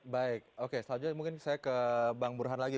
baik oke selanjutnya mungkin saya ke bang burhan lagi